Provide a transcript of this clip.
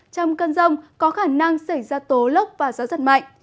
trong cơn rông có khả năng xảy ra tố lốc và gió giật mạnh